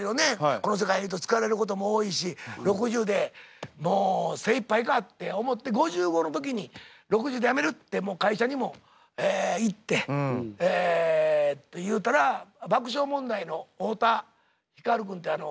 この世界いると疲れることも多いし６０でもう精いっぱいかって思って５５の時に「６０で辞める」ってもう会社にも言って言うたら爆笑問題の太田光君ってあの。